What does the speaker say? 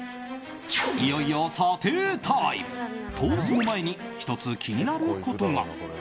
いよいよ査定タイムとその前に、１つ気になることが。